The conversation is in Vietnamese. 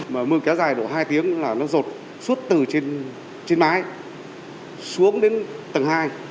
mưa kéo dài đủ hai tiếng là nó rột suốt từ trên mái xuống đến tầng hai